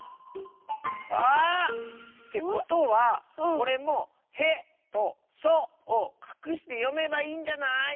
あ！ってことはこれも「へ」と「そ」をかくしてよめばいいんじゃない？